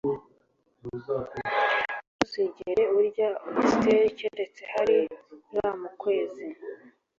ntuzigere urya oyster keretse hari r mu kwezi